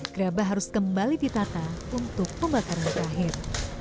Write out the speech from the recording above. gerabah harus kembali ditata untuk pembakaran terakhir